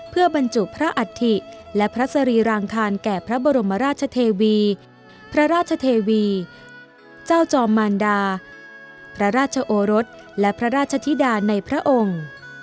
เพื่อบรรจุพระอัฐิและพระสรีรางคารแก่พระบรมราชเทวีพระราชเทวีเจ้าจอมมารดาพระราชโอรสและพระราชธิดาในพระองค์